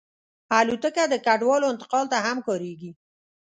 الوتکه د کډوالو انتقال ته هم کارېږي.